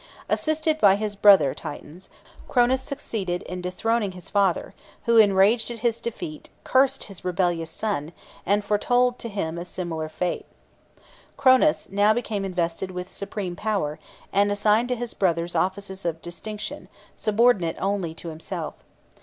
Assisted by his brother Titans, Cronus succeeded in dethroning his father, who, enraged at his defeat, cursed his rebellious son, and foretold to him a similar fate. Cronus now became invested with supreme power, and assigned to his brothers offices of distinction, subordinate only to himself.